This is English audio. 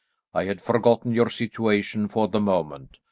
I had forgotten your situation for the moment.